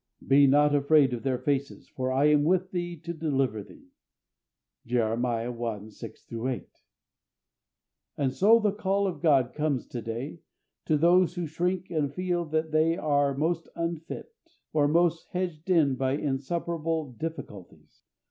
Be not afraid of their faces, for I am with thee to deliver thee" (Jeremiah i. 6 8). And so the call of God comes to day to those who shrink and feel that they are the most unfit, or most hedged in by insuperable difficulties.